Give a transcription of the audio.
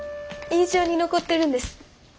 印象に残ってるんです。